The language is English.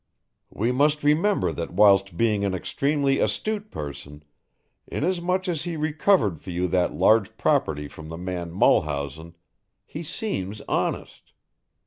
We must remember that whilst being an extremely astute person, inasmuch as he recovered for you that large property from the man Mulhausen, he seems honest.